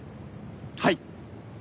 はい！